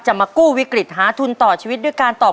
มากู้วิกฤตหาทุนต่อชีวิตด้วยการตอบ